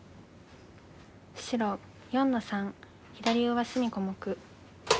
白４の三左上隅小目。